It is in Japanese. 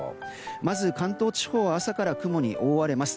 まず関東地方は朝から雲に覆われます。